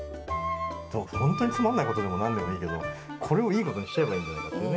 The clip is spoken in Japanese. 本当につまんないことでも、なんでもいいけど、これをいいことにしちゃえばいいんじゃないかとかね。